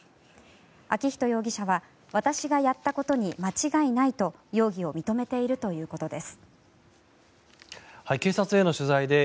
昭仁容疑者は私がやったことに間違いないと容疑を認めているということです。